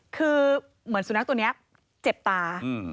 คือเหมือนสุนัขตัวนี้เจ็บตา